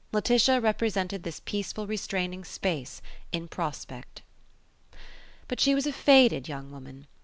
Laetitia represented this peaceful restraining space in prospect. But she was a faded young woman.